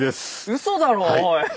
うそだろおい！